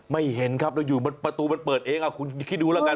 ไม่เห็นครับแล้วอยู่ประตูมันเปิดเองคุณคิดดูแล้วกัน